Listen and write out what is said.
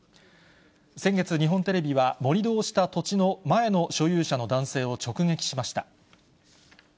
先月、日本テレビは、盛り土をした土地の前の所有者の男性を直撃しました。